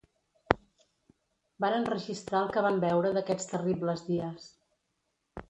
Van enregistrar el que van veure d'aquests terribles dies.